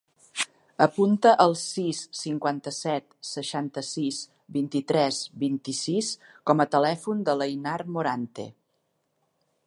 Apunta el sis, cinquanta-set, seixanta-sis, vint-i-tres, vint-i-sis com a telèfon de l'Einar Morante.